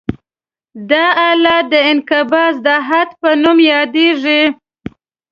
دا حالت د انقباض د حد په نوم یادیږي